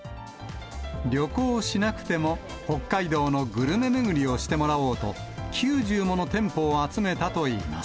旅行しなくても、北海道のグルメ巡りをしてもらおうと、９０もの店舗を集めたといいます。